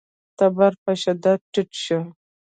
تبر په شدت ټيټ شو.